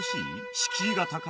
敷居が高い？